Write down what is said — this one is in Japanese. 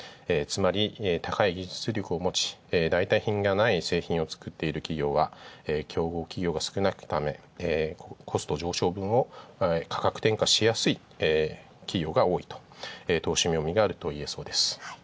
つまり高い技術力をもち、代替品がない製品を作っている企業は、競合企業が少ないため、コスト上昇分を価格転嫁しやすい企業が多いと、といえそうです。